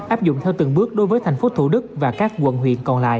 áp dụng theo từng bước đối với thành phố thủ đức và các quận huyện còn lại